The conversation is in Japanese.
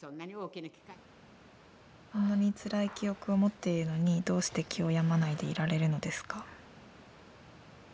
そんなにつらい記憶をもっているのにどうして気を病まないでいられるのですか。